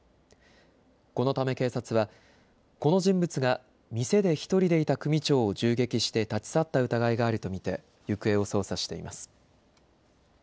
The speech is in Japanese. このため警察はこの人物が店で１人でいた組長を銃撃して立ち去った疑いがあると見て行方を捜査しています。